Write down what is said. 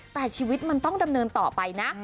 แต่ชีวิตมันต้องดำเนินต่อไปนะ